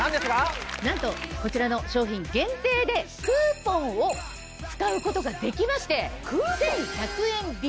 なんとこちらの商品限定でクーポンを使うことができまして１１００円引き。